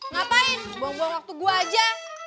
ngapain buang buang waktu gue aja